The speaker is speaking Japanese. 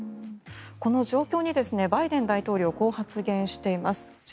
この状況にバイデン大統領はこう発言しています。